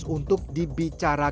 untuk dipilih speedemp